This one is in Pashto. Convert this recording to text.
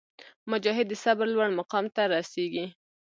مجاهد د صبر لوړ مقام ته رسېږي.